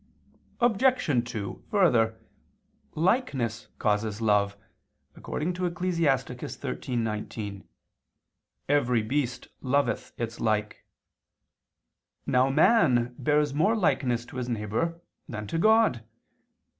Obj. 2: Further, likeness causes love, according to Ecclus. 13:19: "Every beast loveth its like." Now man bears more likeness to his neighbor than to God.